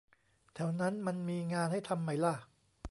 แถวนั้นมันมีงานให้ทำไหมล่ะ